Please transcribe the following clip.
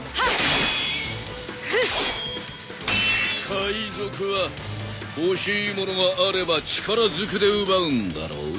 海賊は欲しいものがあれば力ずくで奪うんだろう？